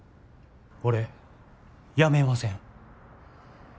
俺辞めません。